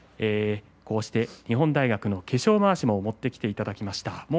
日本大学の化粧まわしを持ってきていただきました。